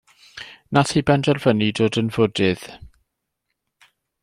Nath hi benderfynu dod yn Fwdydd.